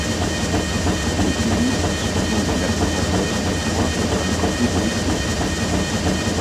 Le pénis suit donc la pesanteur et pointe vers le côté blessé.